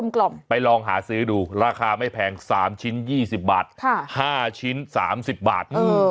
กล่องไปลองหาซื้อดูราคาไม่แพง๓ชิ้น๒๐บาท๕ชิ้น๓๐บาท